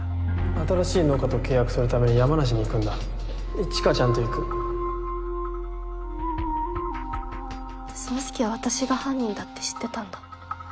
新しい農家と契約するために山梨に行くん一華ちゃんと行く宗介は私が犯人だって知ってたんだ。